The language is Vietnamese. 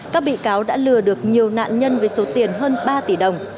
cáo đã lừa được nhiều nạn nhân với số tiền hơn ba tỷ đồng